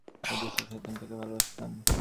এই দুষ্টু শয়তান টাকে ভালোবাসতাম।